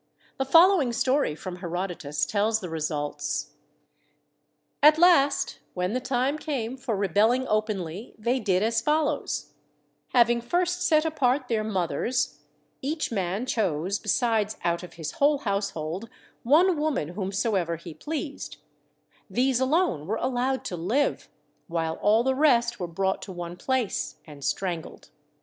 The following story from Herodotus tells the results: At last when the time came for rebelling openly they did as follows: having first set apart their mothers, each man chose besides out of his whole household one woman whomsoever he pleased; these alone were allowed to live, while all the rest were brought to one place and strangled.